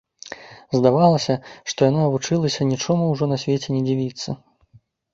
Здавалася, што яна вучылася нічому ўжо на свеце не дзівіцца.